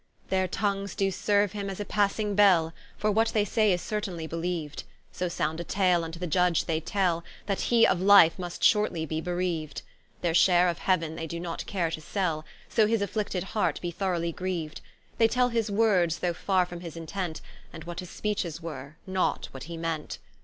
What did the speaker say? Their tongues doe serue him as a Passing bell, For what they say is certainly beleeued; So sound a tale vnto the Iudge they tell, That he of Life must shortly be bereaued; Their share of Heauen, they doe not care to sell, So his afflicted Heart be throughly grieued: They tell his Words, though farre from his intent, And what his Speeches were, not what he meant.